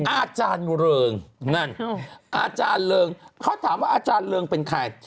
อาจารย์เริงนั่นอาจารย์เริงเขาถามว่าอาจารย์เริงเป็นใคร